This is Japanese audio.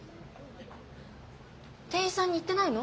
店員さんに言ってないの？